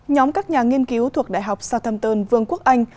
nhóm các nhà nghiên cứu thuộc đại học samton vương quốc anh